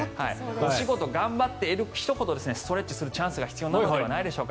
お仕事頑張っている人ほどストレッチするチャンスが必要なのではないでしょうか。